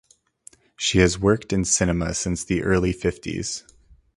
She has worked in cinema since the early fifties.